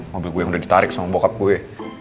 mobil gue yang udah ditarik sama bokap gue